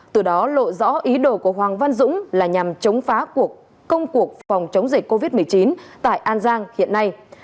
từ đó lộ rõ ý đồ của hoàng văn dũng là nhằm chống phá của công cuộc phòng chống dịch covid một mươi chín tại an giang hiện nay